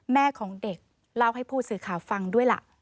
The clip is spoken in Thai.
แม่ของเด็กเล่าให้ผู้สื่อข่าวฟังด้วยล่ะ